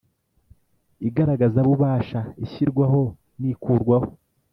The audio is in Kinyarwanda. igaragazabubasha ishyirwaho n ikurwaho